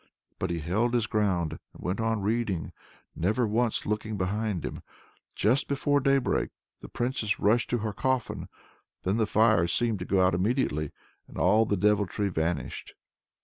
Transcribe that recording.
But he held his ground and went on reading, never once looking behind him. Just before daybreak the Princess rushed to her coffin then the fire seemed to go out immediately, and all the deviltry vanished!